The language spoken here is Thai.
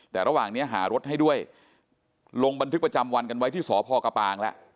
แต่ระหว่างนี้หารถให้ด้วยลงบันทึกประจำวันกันไว้ที่สพกระปางแล้ว